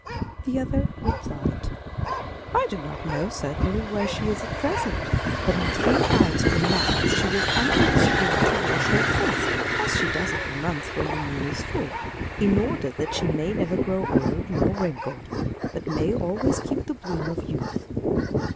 The other replied, 'I do not know, certainly, where she is at present, but in three nights from now she will come to the spring to wash her face, as she does every month when the moon is full, in order that she may never grow old nor wrinkled, but may always keep the bloom of youth.